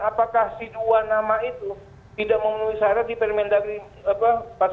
apakah si dua nama itu tidak mengulis harap di permendagri pasal empat atau dua